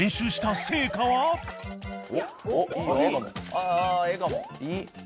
ああええかも。